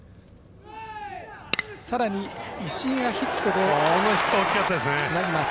さらに、石井がヒットでつなぎます。